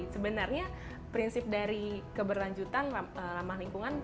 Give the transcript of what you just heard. sebenarnya prinsip dari keberlanjutan ramah lingkungan